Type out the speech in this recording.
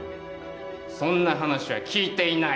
そんな話は聞いていない。